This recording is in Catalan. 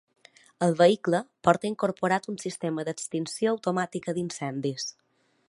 El vehicle porta incorporat un sistema d'extinció automàtica d'incendis.